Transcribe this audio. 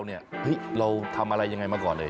เราทำอะไรยังไงมาก่อนเลย